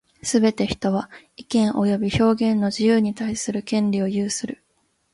すべて人は、意見及び表現の自由に対する権利を有する。